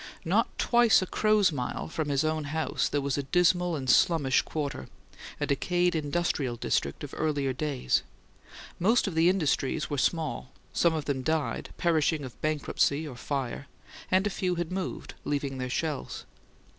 Not twice a crow's mile from his own house there was a dismal and slummish quarter, a decayed "industrial district" of earlier days. Most of the industries were small; some of them died, perishing of bankruptcy or fire; and a few had moved, leaving their shells.